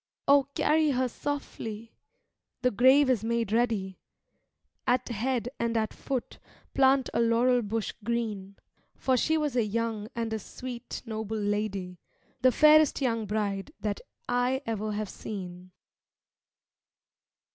O carry her softly! the grave is made ready; At head and at foot plant a laurel bush green; For she was a young and a sweet noble lady, The fairest young bride that I ever have seen.